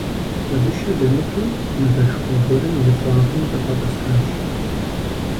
Куэдыщэ дымыкӀуу мывэшхуэ гуэрым и къуагъым дыкъуэтӀысхьащ.